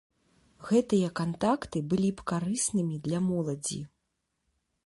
Гэтыя кантакты былі б карыснымі для моладзі.